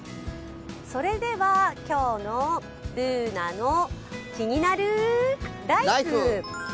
それでは今日の「ＢｏｏｎａのキニナルＬＩＦＥ」。